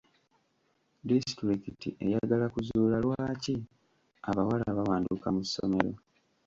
Disitulikiti eyagala kuzuula lwaki abawala bawanduka mu ssomero?